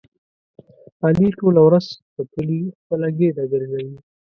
علي ټوله ورځ په کلي خپله ګېډه ګرځوي.